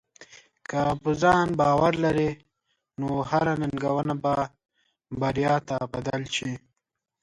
که په ځان باور لرې، نو هره ننګونه به بریا ته بدل شي.